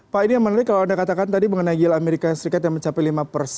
pak ini yang menarik kalau anda katakan tadi mengenai yield amerika serikat yang mencapai lima persen